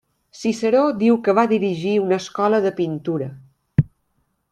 Ciceró diu que va dirigir una escola de pintura.